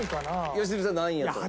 良純さん何位やと？